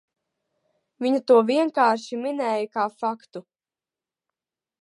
Viņa to vienkārši minēja kā faktu.